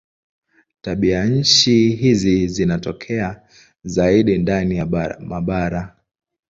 Tabianchi hizi zinatokea zaidi ndani ya mabara.